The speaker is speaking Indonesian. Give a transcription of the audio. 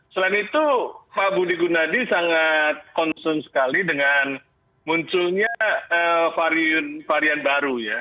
selain itu pak budi gunadi sangat concern sekali dengan munculnya varian baru ya